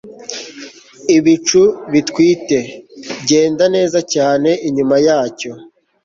ibicu bitwite, genda neza cyane inyuma yacyo